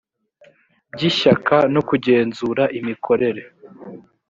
by ishyaka no kugenzura imikorere